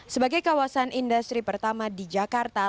sebagai kawasan industri pertama di jakarta